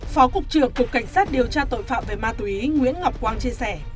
phó cục trưởng cục cảnh sát điều tra tội phạm về ma túy nguyễn ngọc quang chia sẻ